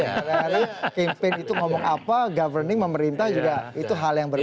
karena campaign itu ngomong apa governing pemerintah juga itu hal yang berbeda